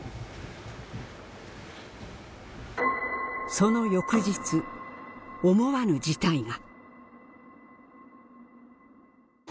その翌日思わぬ事態が。